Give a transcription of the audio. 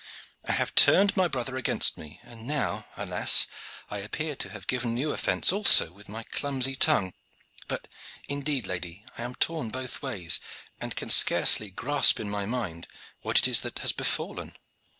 I have turned my brother against me, and now, alas! I appear to have given you offence also with my clumsy tongue. But, indeed, lady, I am torn both ways, and can scarce grasp in my mind what it is that has befallen."